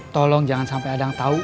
tolong jangan sampai ada yang tahu